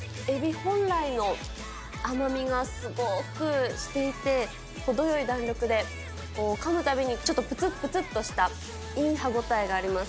本来の甘みがすごくしていて、程よい弾力で、かむたびにちょっとぷつっぷつっとしたいい歯応えがあります。